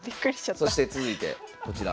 そして続いてこちら。